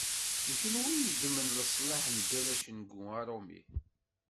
D kunwi i yeddmen leslaḥ mgal acengu arumi.